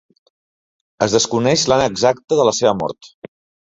Es desconeix l'any exacte de la seva mort.